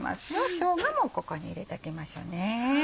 しょうがもここに入れていきましょうね。